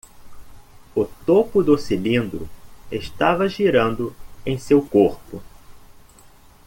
O topo do cilindro estava girando em seu corpo.